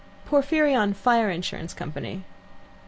"Porphyrion Fire Insurance Company."